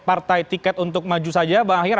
partai tiket untuk maju saja bang ahir